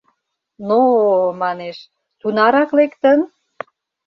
— Но-о, манеш, тунарак лектын?..